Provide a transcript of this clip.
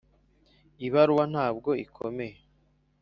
ibaruwa ntabwo ikomeye